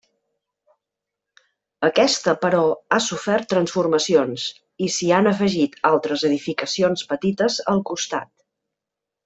Aquesta però ha sofert transformacions i s'hi han afegit altres edificacions petites al costat.